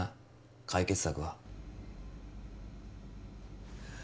解決策は？